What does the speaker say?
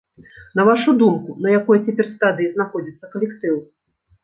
На вашу думку, на якой цяпер стадыі знаходзіцца калектыў?